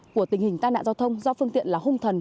của tình hình tai nạn giao thông do phương tiện là hung thần